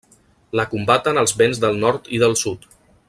La combaten els vents del nord i del sud.